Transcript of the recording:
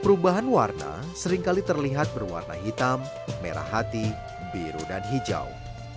perubahan warna seringkali terlihat berwarna hitam merah hati biru dan hijau